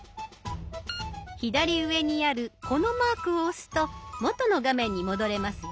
左上にあるこのマークを押すと元の画面に戻れますよ。